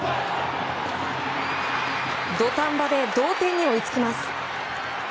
土壇場で同点に追いつきます。